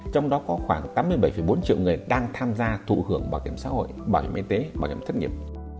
trong đó có khoảng tám mươi bảy bốn triệu người đang tham gia thụ hưởng bảo hiểm xã hội bảo hiểm y tế bảo hiểm thất nghiệp